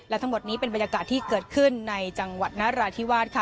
และทั้งหมดนี้เป็นบรรยากาศที่เกิดขึ้นในจังหวัดนราธิวาสค่ะ